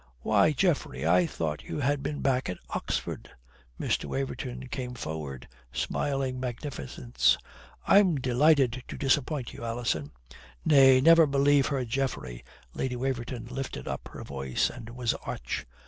Why, Geoffrey, I thought you had been back at Oxford!" Mr. Waverton came forward, smiling magnificence. "I am delighted to disappoint you, Alison." "Nay, never believe her, Geoffrey," Lady Waverton lifted up her voice and was arch.